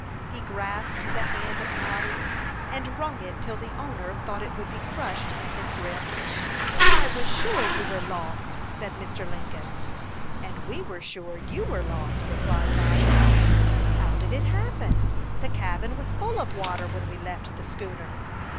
He grasped the hand of Noddy, and wrung it till the owner thought it would be crushed in his grip. "I was sure you were lost," said Mr. Lincoln. "And we were sure you were lost," replied Noddy. "How did it happen? The cabin was full of water when we left the schooner."